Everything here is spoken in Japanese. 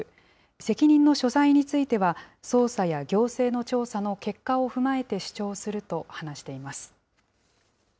責任の所在については、捜査や行政の調査の結果を踏まえて主張すると話しています。